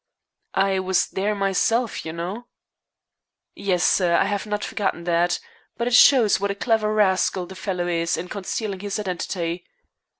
"I was there myself, you know." "Yes, sir. I have not forgotten that. But it shows what a clever rascal the fellow is in concealing his identity.